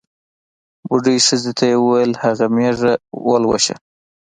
بوډۍ ښځې ته یې ووېل هغه مېږه ولوسه.